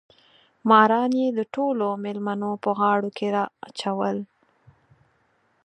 ماران یې د ټولو مېلمنو په غاړو کې راچول.